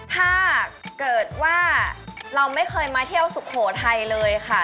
ถ้าเกิดว่าเราไม่เคยมาเที่ยวสุโขทัยเลยค่ะ